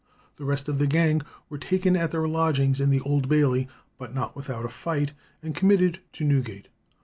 The rest of the gang were taken at their lodgings in the Old Bailey, but not without a fight, and committed to Newgate.